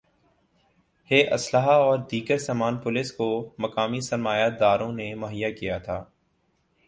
ہ اسلحہ اور دیگر سامان پولیس کو مقامی سرمایہ داروں نے مہیا کیا تھا